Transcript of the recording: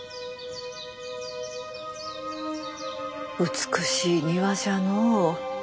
美しい庭じゃのう。